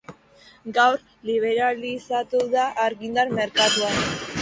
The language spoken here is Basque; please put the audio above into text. Gaur liberalizatu da argindar merkatua.